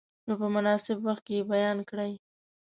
نو په مناسب وخت کې یې بیان کړئ.